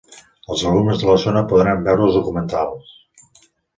Els alumnes de la zona podran veure els documentals.